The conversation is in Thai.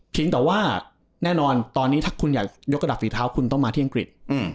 แต่ว่าแน่นอนตอนนี้ถ้าคุณอยากยกระดับฝีเท้าคุณต้องมาที่อังกฤษ